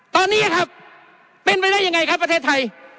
ตอนนี้ครับเป็นไปได้ยังไงครับประเทศไทย